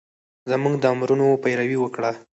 زمونږ د امرونو پېروي وکړه